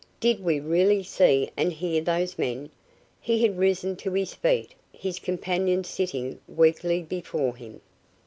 Did we really see and hear those men?" He had risen to his feet, his companion sitting weakly before him.